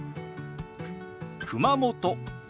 「熊本」。